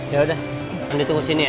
ya udah andi tunggu sini ya